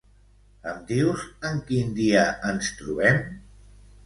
Em dius en quin dia ens trobem?